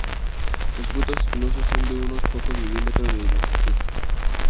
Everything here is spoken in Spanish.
Los frutos espinosos son de unos pocos milímetros de longitud.